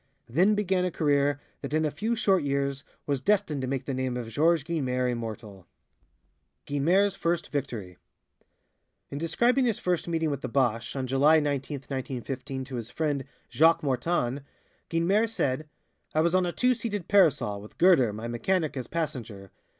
Then began a career that in a few short years was destined to make the name of Georges Guynemer immortal. Guynemer's First Victory In describing his first meeting with the Boche (bosh) on July 19, 1915, to his friend, Jacques Mortane, Guynemer said: "I was on a two seated 'Parasol' with Guerder, my mechanic, as passenger.